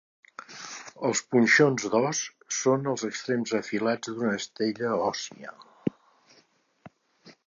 Els punxons d'os són els extrems afilats d'una estella òssia.